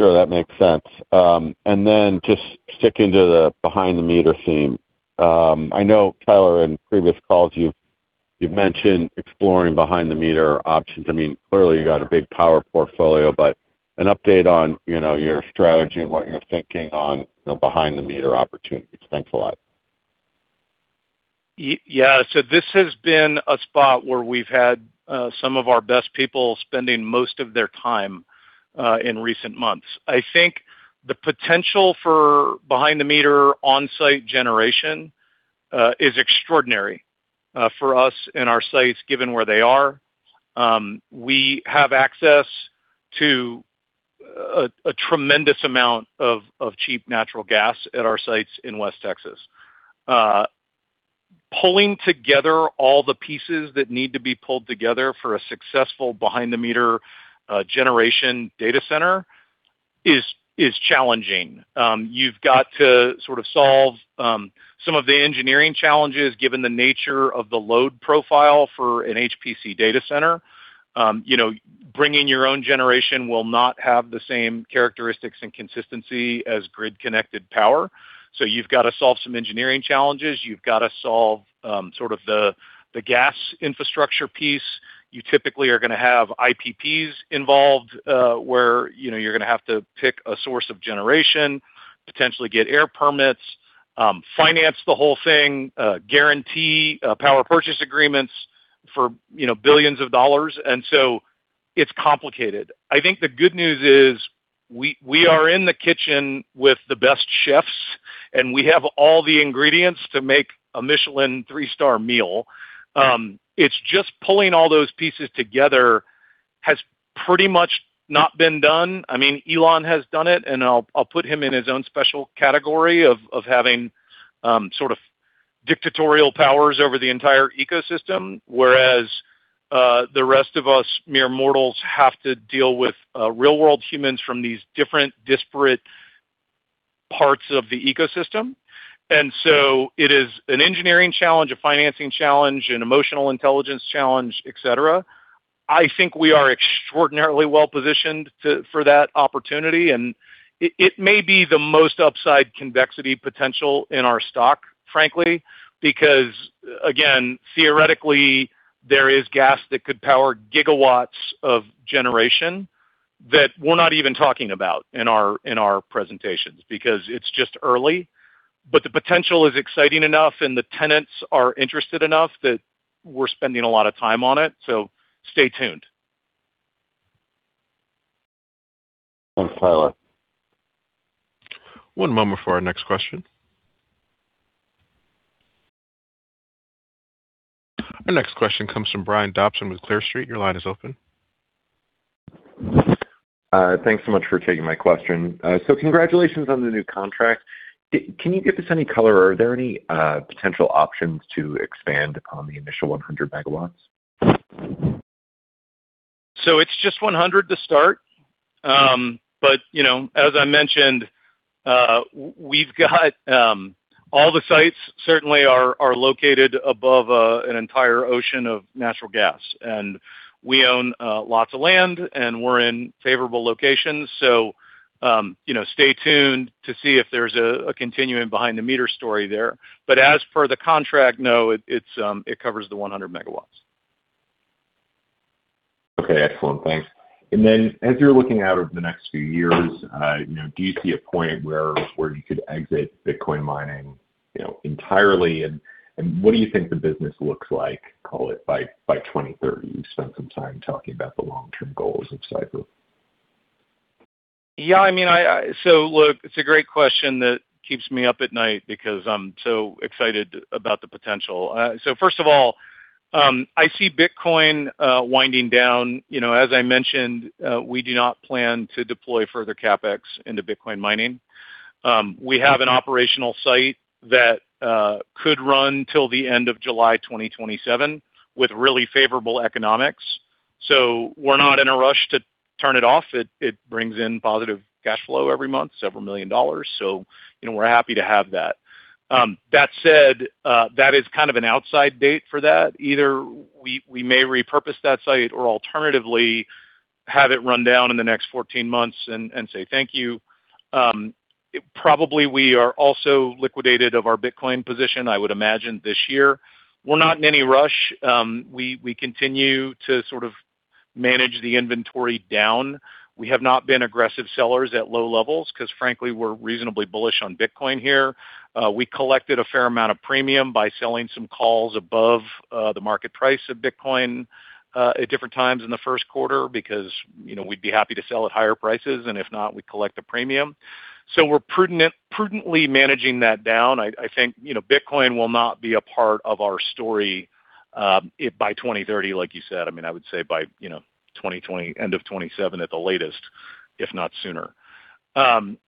Sure, that makes sense. Just sticking to the behind the meter theme, I know Tyler, in previous calls, you've mentioned exploring behind the meter options. I mean, clearly you got a big power portfolio, but an update on, you know, your strategy and what you're thinking on, you know, behind the meter opportunities. Thanks a lot. Yeah. This has been a spot where we've had some of our best people spending most of their time in recent months. I think the potential for behind the meter on-site generation is extraordinary for us and our sites, given where they are. We have access to a tremendous amount of cheap natural gas at our sites in West Texas. Pulling together all the pieces that need to be pulled together for a successful behind the meter generation data center is challenging. You've got to sort of solve some of the engineering challenges given the nature of the load profile for an HPC data center. You know, bringing your own generation will not have the same characteristics and consistency as grid-connected power. You've got to solve some engineering challenges. You've got to solve sort of the gas infrastructure piece. You typically are gonna have IPPs involved, where, you know, you're gonna have to pick a source of generation, potentially get air permits, finance the whole thing, guarantee power purchase agreements for, you know, billions of dollars. It's complicated. I think the good news is we are in the kitchen with the best chefs, and we have all the ingredients to make a Michelin three-star meal. It's just pulling all those pieces together has pretty much not been done. I mean, Elon has done it, and I'll put him in his own special category of having sort of dictatorial powers over the entire ecosystem. Whereas the rest of us mere mortals have to deal with real-world humans from these different disparate parts of the ecosystem. It is an engineering challenge, a financing challenge, an emotional intelligence challenge, et cetera. I think we are extraordinarily well-positioned for that opportunity. It may be the most upside convexity potential in our stock, frankly, because again, theoretically there is gas that could power gigawatts of generation that we're not even talking about in our, in our presentations because it's just early. The potential is exciting enough and the tenants are interested enough that we're spending a lot of time on it. Stay tuned. Thanks, Tyler. One moment for our next question. Our next question comes from Brian Dobson with Clear Street. Your line is open. Thanks so much for taking my question. Congratulations on the new contract. Can you give us any color? Are there any potential options to expand on the initial 100 MW? It's just 100 to start. You know, as I mentioned, we've got all the sites certainly are located above an entire ocean of natural gas, and we own lots of land, and we're in favorable locations. You know, stay tuned to see if there's a continuing behind the meter story there. As for the contract, no, it covers the 100 MW. Okay. Excellent. Thanks. As you're looking out over the next few years, you know, do you see a point where you could exit Bitcoin mining, you know, entirely? What do you think the business looks like, call it by 2030? You spent some time talking about the long-term goals of Cipher. I mean, look, it's a great question that keeps me up at night because I'm so excited about the potential. First of all, I see Bitcoin winding down. You know, as I mentioned, we do not plan to deploy further CapEx into Bitcoin mining. We have an operational site that could run till the end of July 2027 with really favorable economics. We're not in a rush to turn it off. It brings in positive cash flow every month, several million dollars. You know, we're happy to have that. That said, that is kind of an outside date for that. Either we may repurpose that site or alternatively have it run down in the next 14 months and say thank you. Probably we are also liquidated of our Bitcoin position, I would imagine this year. We're not in any rush. We continue to sort of manage the inventory down. We have not been aggressive sellers at low levels because frankly, we're reasonably bullish on Bitcoin here. We collected a fair amount of premium by selling some calls above the market price of Bitcoin at different times in the first quarter because, you know, we'd be happy to sell at higher prices, and if not, we collect a premium. We're prudently managing that down. I think, you know, Bitcoin will not be a part of our story by 2030, like you said. I mean, I would say by, you know, end of 2027 at the latest, if not sooner.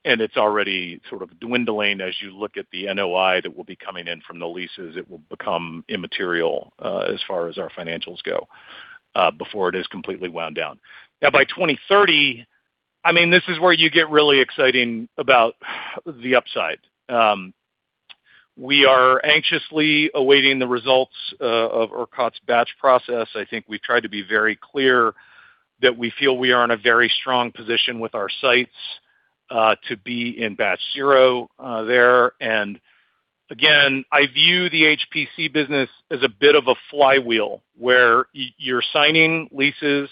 It's already sort of dwindling as you look at the NOI that will be coming in from the leases. It will become immaterial as far as our financials go before it is completely wound down. Now by 2030, I mean, this is where you get really exciting about the upside. We are anxiously awaiting the results of ERCOT's batch process. I think we've tried to be very clear that we feel we are in a very strong position with our sites to be in batch zero there. Again, I view the HPC business as a bit of a flywheel where you're signing leases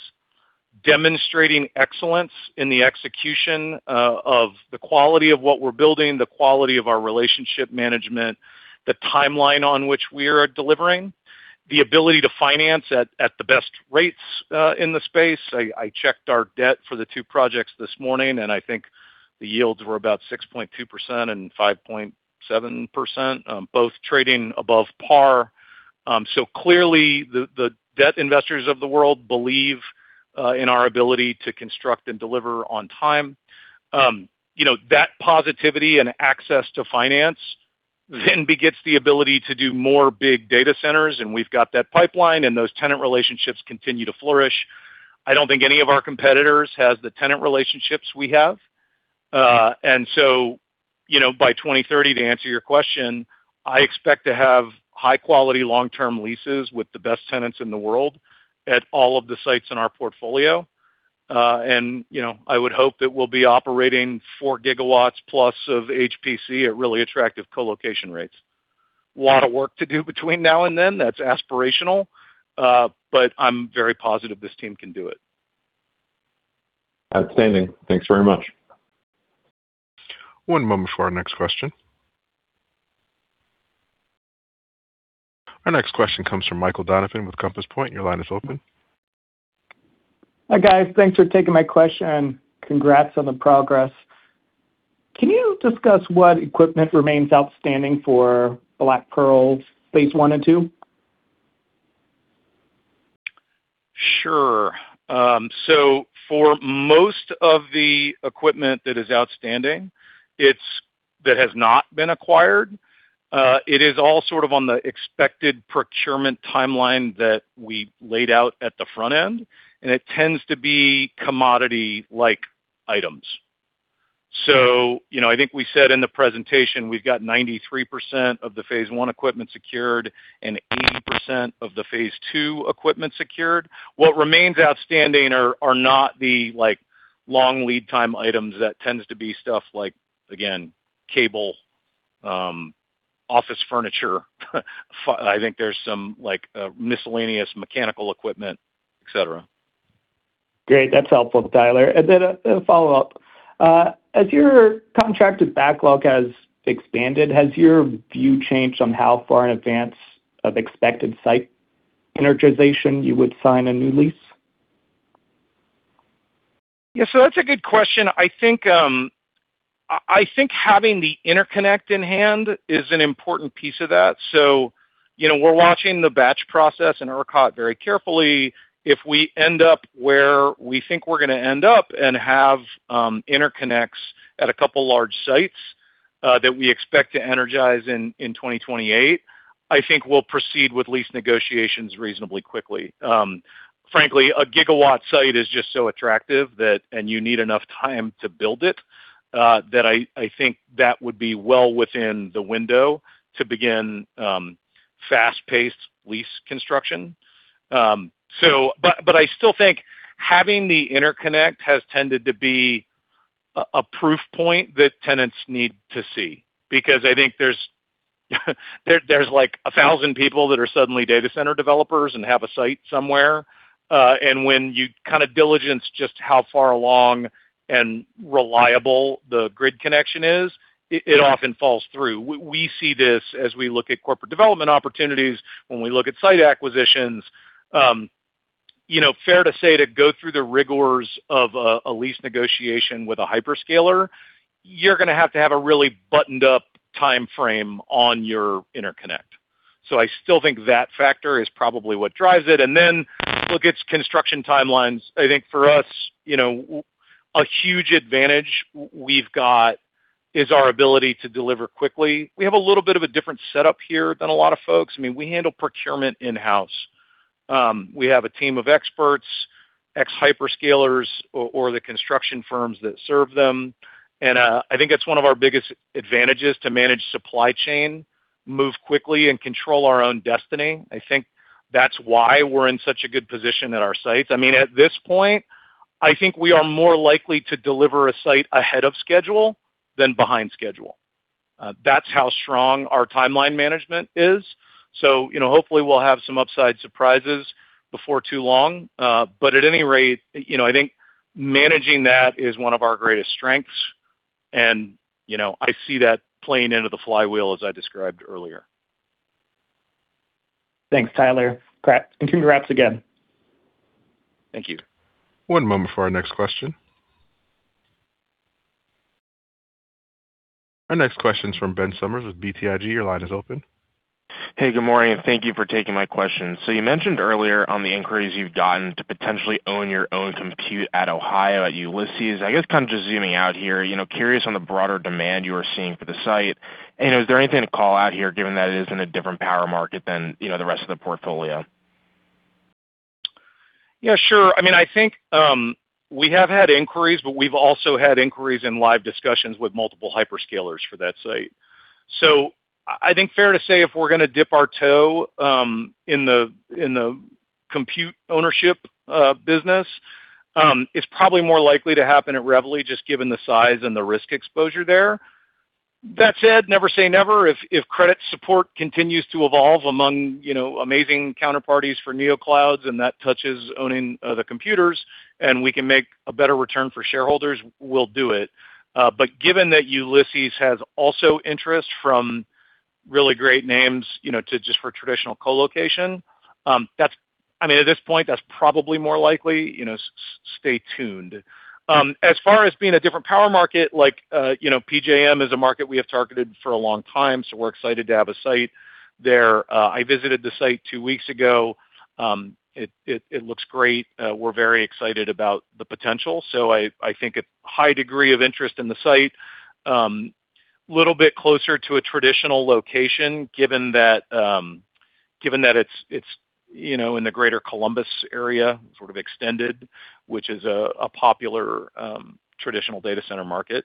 demonstrating excellence in the execution of the quality of what we're building, the quality of our relationship management, the timeline on which we are delivering, the ability to finance at the best rates in the space. I checked our debt for the two projects this morning, and I think the yields were about 6.2% and 5.7%, both trading above par. Clearly the debt investors of the world believe in our ability to construct and deliver on time. You know, that positivity and access to finance begets the ability to do more big data centers, and we've got that pipeline, and those tenant relationships continue to flourish. I don't think any of our competitors has the tenant relationships we have. You know, by 2030, to answer your question, I expect to have high quality long-term leases with the best tenants in the world at all of the sites in our portfolio. You know, I would hope that we'll be operating 4+ GW of HPC at really attractive co-location rates. A lot of work to do between now and then. That's aspirational, I'm very positive this team can do it. Outstanding. Thanks very much. One moment for our next question. Our next question comes from Michael Donovan with Compass Point. Your line is open. Hi, guys. Thanks for taking my question. Congrats on the progress. Can you discuss what equipment remains outstanding for Black Pearl's phase I and II? Sure. For most of the equipment that is outstanding, that has not been acquired, it is all sort of on the expected procurement timeline that we laid out at the front end, and it tends to be commodity-like items. You know, I think we said in the presentation we've got 93% of the phase I equipment secured and 80% of the phase II equipment secured. What remains outstanding are not the like long lead time items. That tends to be stuff like, again, cable, office furniture. I think there's some like miscellaneous mechanical equipment, et cetera. Great. That's helpful, Tyler. Then a follow-up. As your contracted backlog has expanded, has your view changed on how far in advance of expected site energization you would sign a new lease? Yeah, that's a good question. I think having the interconnect in hand is an important piece of that. You know, we're watching the batch process and ERCOT very carefully. If we end up where we think we're gonna end up and have interconnects at a couple large sites that we expect to energize in 2028, I think we'll proceed with lease negotiations reasonably quickly. Frankly, a 1 GW site is just so attractive that and you need enough time to build it, that I think that would be well within the window to begin fast-paced lease construction. I still think having the interconnect has tended to be a proof point that tenants need to see because I think there's like 1,000 people that are suddenly data center developers and have a site somewhere. When you kind of diligence just how far along and reliable the grid connection is, it often falls through. We see this as we look at corporate development opportunities, when we look at site acquisitions. You know, fair to say to go through the rigors of a lease negotiation with a hyperscaler, you're gonna have to have a really buttoned up timeframe on your interconnect. I still think that factor is probably what drives it. Then look, it's construction timelines. I think for us, you know, a huge advantage we've got is our ability to deliver quickly. We have a little bit of a different setup here than a lot of folks. I mean, we handle procurement in-house. We have a team of experts, ex-hyperscalers or the construction firms that serve them. I think it's one of our biggest advantages to manage supply chain, move quickly and control our own destiny. I think that's why we're in such a good position at our sites. I mean, at this point, I think we are more likely to deliver a site ahead of schedule than behind schedule. That's how strong our timeline management is. You know, hopefully we'll have some upside surprises before too long. At any rate, you know, I think managing that is one of our greatest strengths. You know, I see that playing into the flywheel as I described earlier. Thanks, Tyler. Congrats. Congrats again. Thank you. One moment for our next question. Our next question is from Ben Sommers with BTIG. Your line is open. Hey, good morning. Thank you for taking my question. You mentioned earlier on the inquiries you've gotten to potentially own your own compute at Ohio at Ulysses. I guess kind of just zooming out here, you know, curious on the broader demand you are seeing for the site. Is there anything to call out here given that it is in a different power market than, you know, the rest of the portfolio? Yeah, sure. I mean, I think, we have had inquiries, but we've also had inquiries and live discussions with multiple hyperscalers for that site. I think fair to say if we're gonna dip our toe in the in the compute ownership business, it's probably more likely to happen at Reveille, just given the size and the risk exposure there. That said, never say never. If, if credit support continues to evolve among, you know, amazing counterparties for neo clouds and that touches owning the computers and we can make a better return for shareholders, we'll do it. Given that Ulysses has also interest from really great names, you know, to just for traditional colocation, I mean, at this point, that's probably more likely. You know, stay tuned. As far as being a different power market, like, you know, PJM is a market we have targeted for a long time, so we're excited to have a site there. I visited the site two weeks ago. It looks great. We're very excited about the potential. I think a high degree of interest in the site. Little bit closer to a traditional location given that it's, you know, in the greater Columbus area, sort of extended, which is a popular traditional data center market.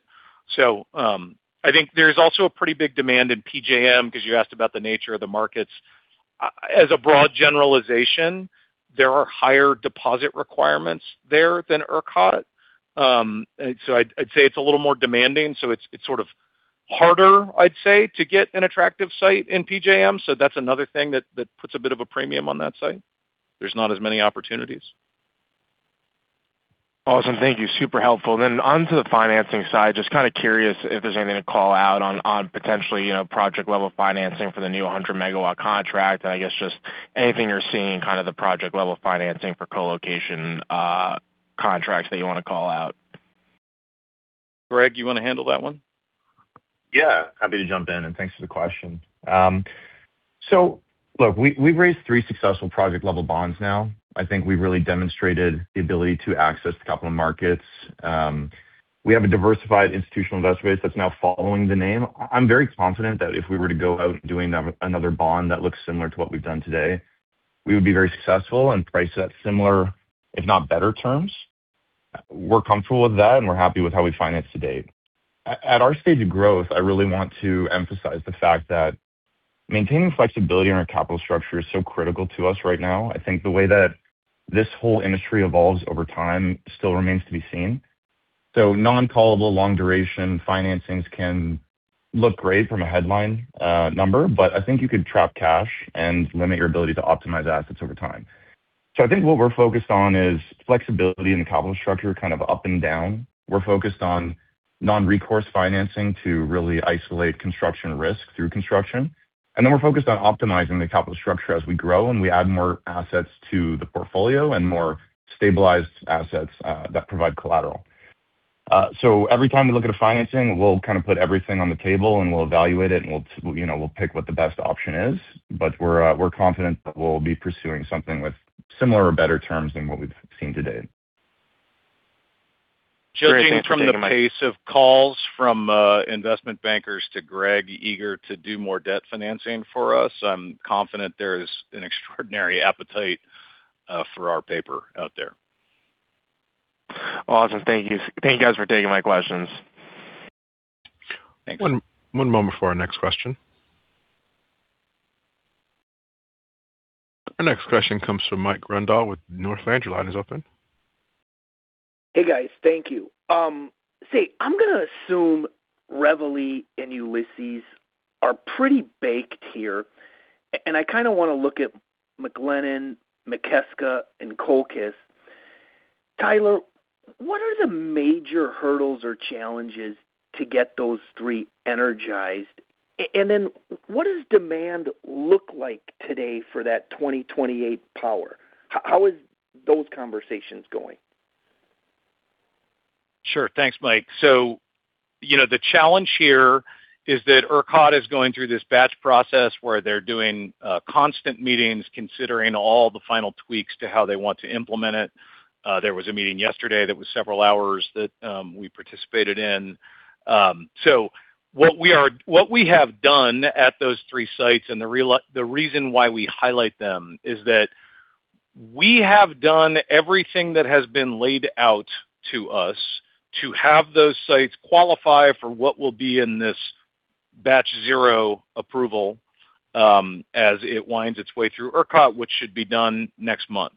I think there's also a pretty big demand in PJM because you asked about the nature of the markets. As a broad generalization, there are higher deposit requirements there than ERCOT. I'd say it's a little more demanding, so it's sort of harder, I'd say, to get an attractive site in PJM. That's another thing that puts a bit of a premium on that site. There's not as many opportunities. Awesome. Thank you. Super helpful. Onto the financing side, just kind of curious if there's anything to call out on potentially, you know, project level financing for the new 100 MW contract. I guess just anything you're seeing kind of the project level financing for colocation contracts that you wanna call out. Greg, you wanna handle that one? Yeah, happy to jump in, and thanks for the question. Look, we've raised three successful project level bonds now. I think we've really demonstrated the ability to access the capital markets. We have a diversified institutional investor base that's now following the name. I'm very confident that if we were to go out doing another bond that looks similar to what we've done today, we would be very successful and price that similar, if not better terms. We're comfortable with that, and we're happy with how we finance to date. At our stage of growth, I really want to emphasize the fact that maintaining flexibility in our capital structure is so critical to us right now. I think the way that this whole industry evolves over time still remains to be seen. Non-callable, long duration financings can look great from a headline number, but I think you could trap cash and limit your ability to optimize assets over time. I think what we're focused on is flexibility in the capital structure, kind of up and down. We're focused on non-recourse financing to really isolate construction risk through construction. We're focused on optimizing the capital structure as we grow and we add more assets to the portfolio and more stabilized assets that provide collateral. Every time we look at a financing, we'll kind of put everything on the table, and we'll evaluate it, and we'll, you know, we'll pick what the best option is. We're confident that we'll be pursuing something with similar or better terms than what we've seen to date. Judging from the pace of calls from investment bankers to Greg eager to do more debt financing for us, I'm confident there's an extraordinary appetite for our paper out there. Awesome. Thank you. Thank you guys for taking my questions. Thanks. One moment before our next question. Our next question comes from Mike Grondahl with Northland. Your line is open. Hey, guys. Thank you. say, I'm gonna assume Reveille and Ulysses are pretty baked here, and I kinda wanna look at McLennan, Mikeska, and Colchis. Tyler, what are the major hurdles or challenges to get those three energized? Then what does demand look like today for that 2028 power? How is those conversations going? Sure. Thanks, Mike. You know, the challenge here is that ERCOT is going through this batch process where they're doing constant meetings considering all the final tweaks to how they want to implement it. There was a meeting yesterday that was several hours that we participated in. What we have done at those three sites, and the reason why we highlight them is that we have done everything that has been laid out to us to have those sites qualify for what will be in this batch zero approval, as it winds its way through ERCOT, which should be done next month.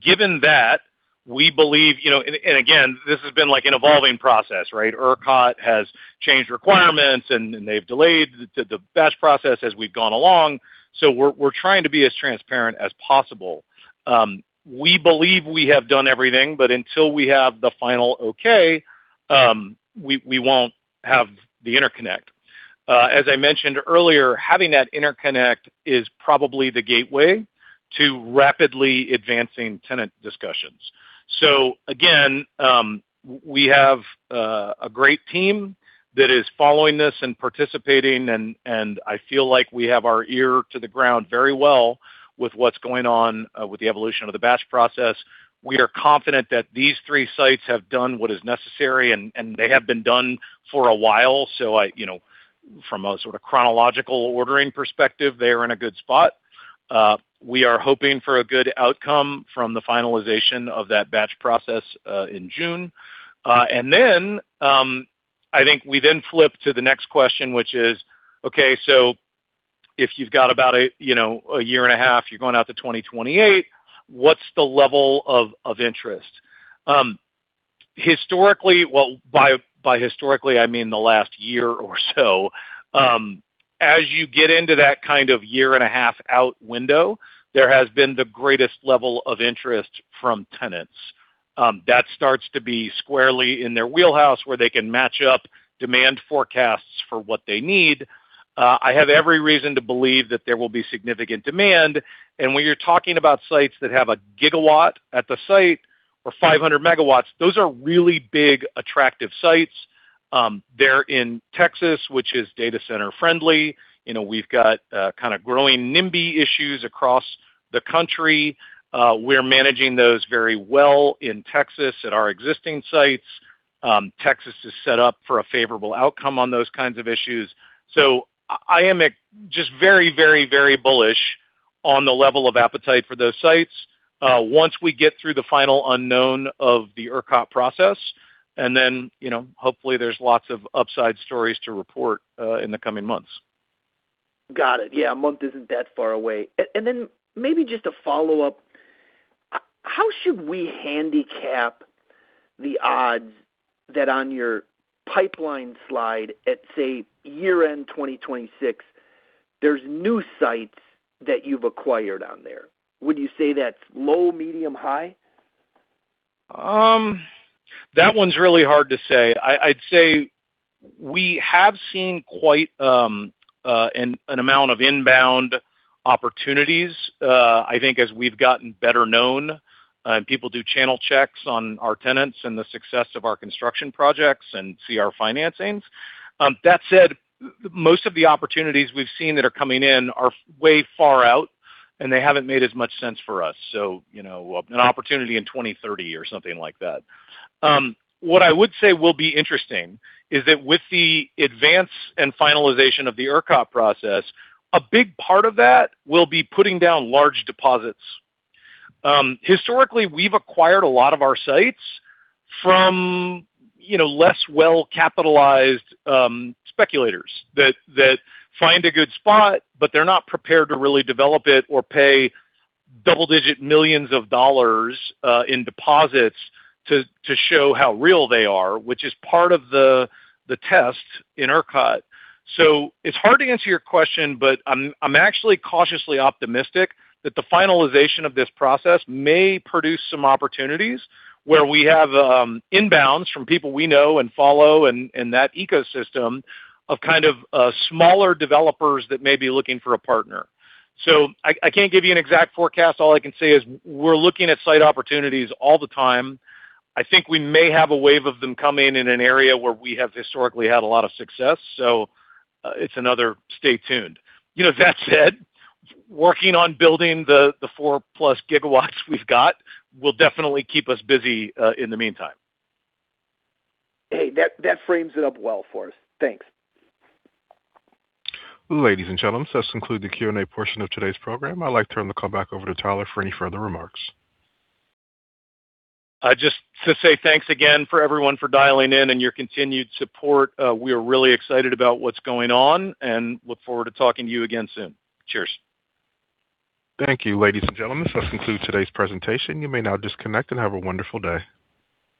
Given that, we believe, you know, and, again, this has been like an evolving process, right? ERCOT has changed requirements, and they've delayed the batch process as we've gone along, so we're trying to be as transparent as possible. We believe we have done everything, but until we have the final okay, we won't have the interconnect. As I mentioned earlier, having that interconnect is probably the gateway to rapidly advancing tenant discussions. Again, we have a great team that is following this and participating, and I feel like we have our ear to the ground very well with what's going on with the evolution of the batch process. We are confident that these three sites have done what is necessary, and they have been done for a while. I, you know, from a sort of chronological ordering perspective, they are in a good spot. We are hoping for a good outcome from the finalization of that batch process in June. I think we then flip to the next question, which is, okay, so if you've got about a, you know, 1.5 years, you're going out to 2028, what's the level of interest? Well, by historically, I mean the last year or so. As you get into that kind of 1.5 years out window, there has been the greatest level of interest from tenants. That starts to be squarely in their wheelhouse where they can match up demand forecasts for what they need. I have every reason to believe that there will be significant demand. When you're talking about sites that have a gigawatt at the site or 500 MW, those are really big, attractive sites. They're in Texas, which is data center friendly. You know, we've got kind of growing NIMBY issues across the country. We're managing those very well in Texas at our existing sites. Texas is set up for a favorable outcome on those kinds of issues. I am just very, very, very bullish on the level of appetite for those sites once we get through the final unknown of the ERCOT process. You know, hopefully, there's lots of upside stories to report in the coming months. Got it. Yeah. A month isn't that far away. Then maybe just a follow-up. How should we handicap the odds that on your pipeline slide at, say, year-end 2026, there's new sites that you've acquired on there? Would you say that's low, medium, high? That one's really hard to say. I'd say we have seen quite an amount of inbound opportunities, I think as we've gotten better known and people do channel checks on our tenants and the success of our construction projects and see our financings. That said, most of the opportunities we've seen that are coming in are way far out, and they haven't made as much sense for us. So, you know, an opportunity in 2030 or something like that. What I would say will be interesting is that with the advance and finalization of the ERCOT process, a big part of that will be putting down large deposits. Historically, we've acquired a lot of our sites from, you know, less well-capitalized speculators that find a good spot, but they're not prepared to really develop it or pay double-digit millions of dollars in deposits to show how real they are, which is part of the test in ERCOT. It's hard to answer your question, but I'm actually cautiously optimistic that the finalization of this process may produce some opportunities where we have inbounds from people we know and follow and that ecosystem of kind of smaller developers that may be looking for a partner. I can't give you an exact forecast. All I can say is we're looking at site opportunities all the time. I think we may have a wave of them coming in an area where we have historically had a lot of success, so, it's another stay tuned. You know, that said, working on building the 4+ GW we've got will definitely keep us busy, in the meantime. Hey, that frames it up well for us. Thanks. Ladies and gentlemen, this conclude the Q&A portion of today's program. I'd like to turn the call back over to Tyler for any further remarks. Just to say thanks again for everyone for dialing in and your continued support. We are really excited about what's going on and look forward to talking to you again soon. Cheers. Thank you. Ladies and gentlemen, this concludes today's presentation. You may now disconnect and have a wonderful day.